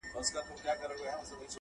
لا ورته ګوري سره اورونه د سکروټو دریاب -